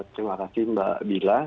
terima kasih mbak bila